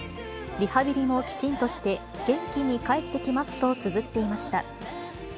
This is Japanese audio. リハビリもきちんとして元気に帰ってきますとつづっていました。